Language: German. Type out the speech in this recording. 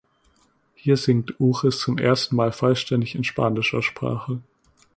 Hier singt Uchis zum ersten Mal vollständig in spanischer Sprache.